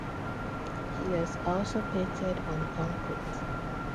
He has also painted on concrete.